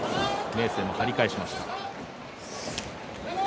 明生も張り返しました。